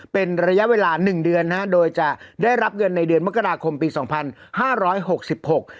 เป็นระยะเวลาหนึ่งเดือนนะฮะโดยจะได้รับเงินในเดือนมกราคมปีสองพันห้าร้อยหกสิบหก